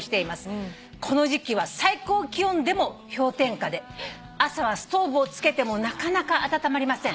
「この時季は最高気温でも氷点下で朝はストーブをつけてもなかなか暖まりません」